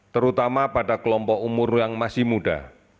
terutama pada kelompok umur yang masih muda